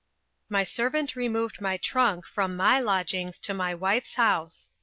My servant removed my trunk from my lodgings to my wife's house.